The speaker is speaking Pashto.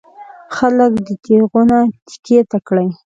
خلک دې تېغونه تېکې ته کړي.